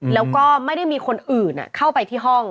แล้วก็ไม่ได้มีคนอื่นเข้าไปที่ห้อง